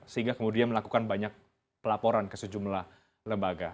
sehingga kemudian melakukan banyak pelaporan ke sejumlah lembaga